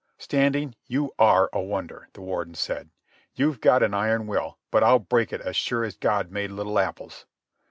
"Standing, you are a wonder," the Warden said. "You've got an iron will, but I'll break it as sure as God made little apples."